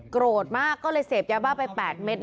โกรธมากก็เลยเสพยาบ้าไป๘เม็ด